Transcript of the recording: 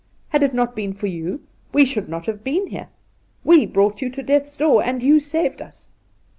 Had it not been for you we should not have been here. We brought you to death's door, and you saved us.